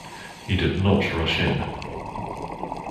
He did not rush in.